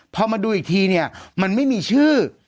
พอมาดูอีกทีเนี่ยมันไม่มีชื่อ